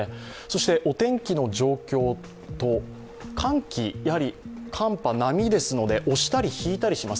お天気の状況と、寒気、やはり寒波、波ですので押したり引いたりします